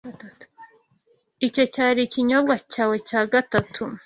Icyo cyari ikinyobwa cyawe cya gatatu.